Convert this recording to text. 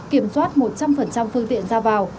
kiểm soát một trăm linh phương tiện ra vào